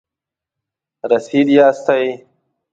رسید ساتئ؟